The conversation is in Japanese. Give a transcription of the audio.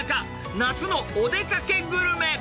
夏のおでかけグルメ。